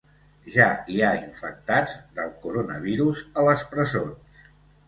Ja hi ha infectats del coronavirus a les presons